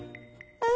うん。